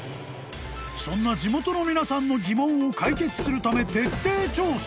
［そんな地元の皆さんの疑問を解決するため］